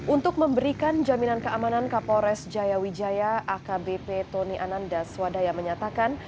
untuk memberikan jaminan keamanan ke polres jaya wijaya akbp tony anandas wadaya menyatakan